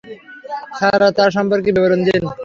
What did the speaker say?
Sir, তার সম্পর্কে বিবরণ দিন।